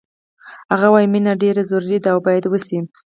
هغه وایی مینه ډېره ضروري ده او باید وشي